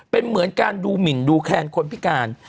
เป็นเหมือนการดูหมินดูแคนคนพิการ